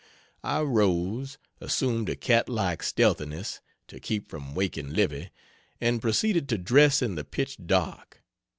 I rose, assumed a catlike stealthiness, to keep from waking Livy, and proceeded to dress in the pitch dark.